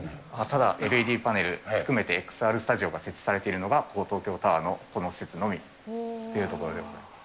ただ、ＬＥＤパネル含めて、ＸＲスタジオが設置されているのが、東京タワーのこの施設のみというところでございます。